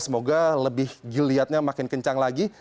semoga lebih giliatnya makin kencang lagi